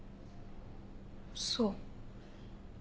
そう。